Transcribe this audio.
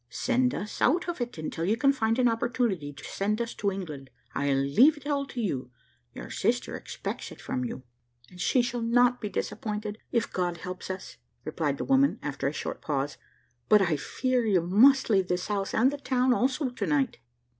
"Send us out of it, until you can find an opportunity to send us to England. I leave it all to you your sister expects it from you." "And she shall not be disappointed, if God helps us," replied the woman, after a short pause; "but I fear you must leave this house and the town also to night."